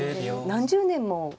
何十年も。